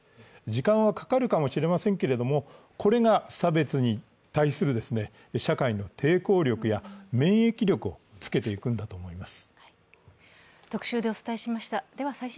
時間はかかるかもしれませんけれどもこれが差別に対する社会の抵抗力や免疫力をつけていくんだと思います。